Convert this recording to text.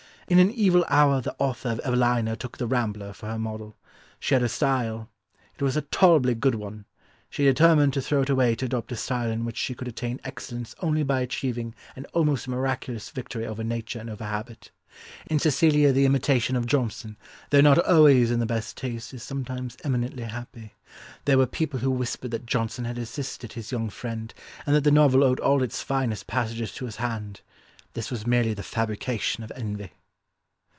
In an evil hour the author of Evelina took the Rambler for her model. She had her style. It was a tolerably good one; she determined to throw it away to adopt a style in which she could attain excellence only by achieving an almost miraculous victory over nature and over habit. In Cecilia the imitation of Johnson, though not always in the best taste, is sometimes eminently happy. There were people who whispered that Johnson had assisted his young friend and that the novel owed all its finest passages to his hand. This was merely the fabrication of envy."